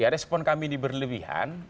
respon kami ini berlebihan